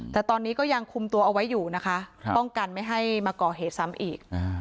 แต่ตอนนี้ก็ยังคุมตัวเอาไว้อยู่นะคะป้องกันไม่ให้มาก่อเหตุซ้ำอีก